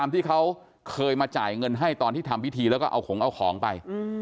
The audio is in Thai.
ที่เขาเคยมาจ่ายเงินให้ตอนที่ทำพิธีแล้วก็เอาของเอาของไป